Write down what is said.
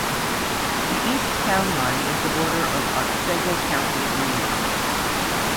The east town line is the border of Otsego County, New York.